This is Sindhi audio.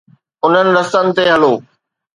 انهن رستن تي هلو.